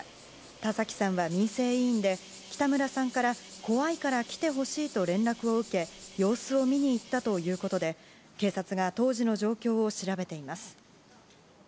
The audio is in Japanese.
田崎さんは民生委員で北村さんから、怖いから来てほしいと連絡を受け様子を見に行ったということで警察が当時の状況を調べています。